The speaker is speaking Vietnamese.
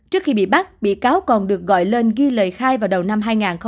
trước khi bị bắt bị cáo còn được gọi lên ghi lời khai vào đầu năm hai nghìn hai mươi